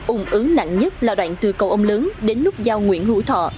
ứng ứ nặng nhất là đoạn từ cầu âm lớn đến nút giao nguyễn hữu thọ